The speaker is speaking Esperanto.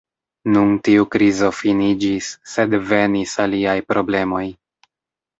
Nun tiu krizo finiĝis, sed venis aliaj problemoj.